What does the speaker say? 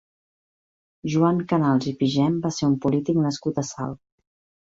Joan Canals i Pigem va ser un polític nascut a Salt.